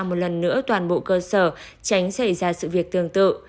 một lần nữa toàn bộ cơ sở tránh xảy ra sự việc tương tự